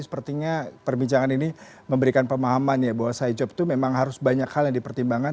sepertinya perbincangan ini memberikan pemahaman ya bahwa side job itu memang harus banyak hal yang dipertimbangkan